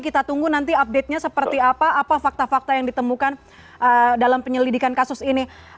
kita tunggu nanti update nya seperti apa apa fakta fakta yang ditemukan dalam penyelidikan kasus ini